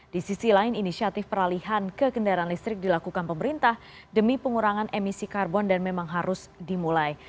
di sisi lain inisiatif peralihan ke kendaraan listrik dilakukan pemerintah demi pengurangan emisi karbon dan memang harus dimulai